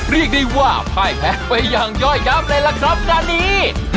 เรียกได้ว่าไพแพ้ไปยังย่อยย้ำเลยล่ะครับนาลี